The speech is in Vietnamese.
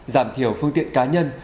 giảm thiểu phương tiện cá nhân